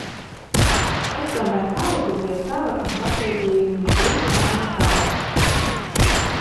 Es tomēr paliku pie sava un pasūtīju viņu trīs mājas tālāk..